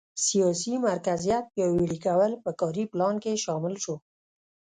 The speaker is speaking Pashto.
سیاسي مرکزیت پیاوړي کول په کاري پلان کې شامل شو.